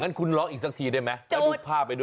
งั้นคุณล๊อคอีกสักทีได้ไหมก็ดูภาพไปด้วย